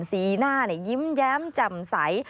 สีหน้ายิ้มแย้มแจ่มใส